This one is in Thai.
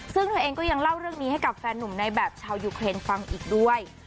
ซึ่งเธอเองก็ยังเล่าเรื่องนี้ให้กับแฟนหนุ่มในแบบชาวยูเครนฟังอีกด้วย